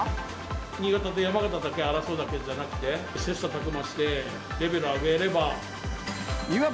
新潟と山形だけが争うだけじゃなくて、切さたく磨してレベル上げれば。